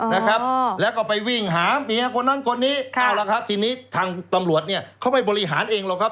นะครับแล้วก็ไปวิ่งหาเมียคนนั้นคนนี้เอาละครับทีนี้ทางตำรวจเนี่ยเขาไปบริหารเองหรอกครับ